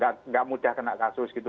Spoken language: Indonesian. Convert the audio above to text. tidak mudah kena kasus gitu